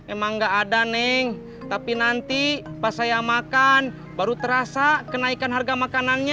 emang gak ada neng tapi nanti pas saya makan baru terasa ke naikan harga makanannya